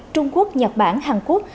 trung quốc nhật bản hàn quốc